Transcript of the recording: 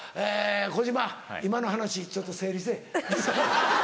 小島今の話ちょっと整理せぇ。